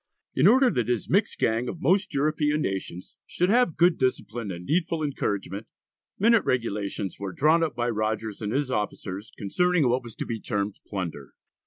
In order that his "mixed gang of most European nations," should have "good discipline" and "needful encouragement," minute regulations were drawn up by Rogers and his officers concerning what was to be termed plunder.